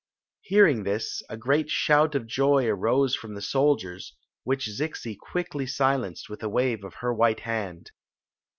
*' Hearing this, a great shout of joy arose from the sold ers, which Zixi quickly silenced with a wave of her white hand.